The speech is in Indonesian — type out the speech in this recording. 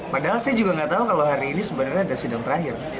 padahal saya juga nggak tahu kalau hari ini sebenarnya ada sidang terakhir